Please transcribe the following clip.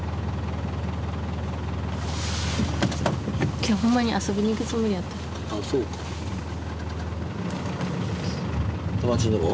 今日ほんまに遊びに行くつもりやったあっそうか友達のとこ？